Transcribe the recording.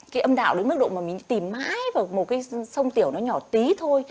cái âm đạo đến mức độ mà mình tìm mãi vào một cái sông tiểu nó nhỏ tí thôi